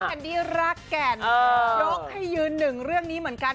แนนดี้รากแก่นยกให้ยืนหนึ่งเรื่องนี้เหมือนกัน